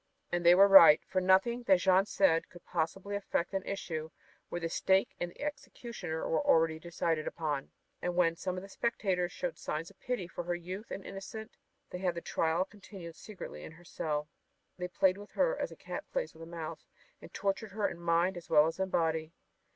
And they were right, for nothing that Jeanne said could possibly affect an issue where the stake and the executioner were already decided upon. And when some of the spectators showed signs of pity for her youth and innocence they had the trial continued secretly in her cell. They played with her as a cat plays with a mouse and tortured her in mind as well as in body.